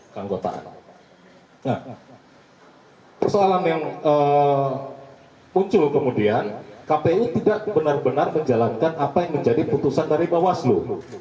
nah persoalan yang muncul kemudian kpu tidak benar benar menjalankan apa yang menjadi putusan dari bawaslu